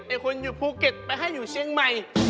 คนอยู่ภูเก็ตไปให้อยู่เชียงใหม่